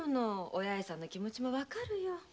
お八重さんの気持ちもわかるよ。